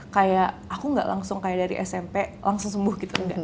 kayak aku gak langsung kayak dari smp langsung sembuh gitu